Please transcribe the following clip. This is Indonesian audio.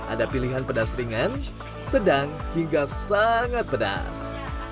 ada pilihan pedas ringan sedang hingga sangat pedas